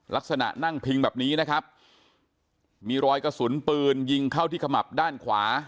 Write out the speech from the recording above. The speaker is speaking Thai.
ลักษณะนั่งพิงแบบนี้นะครับมีรอยกระสุนปืนยิงเข้าที่ขมับด้านขวา